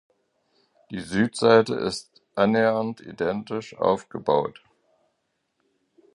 Die Südseite ist annähernd identisch aufgebaut.